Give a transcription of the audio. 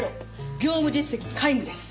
業務実績も皆無です。